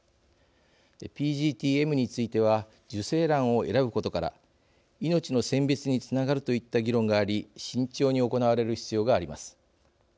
ＰＧＴ−Ｍについては受精卵を選ぶことから命の選別につながるといった議論があり慎重に行われる必要があります。